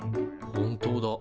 本当だ。